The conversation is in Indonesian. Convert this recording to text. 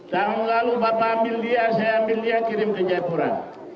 tahun lalu bapak ambil dia saya ambil dia kirim ke jayapura